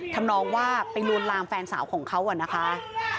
ทำนองว่าไปลวนลามแฟนสาวของเขานะคะ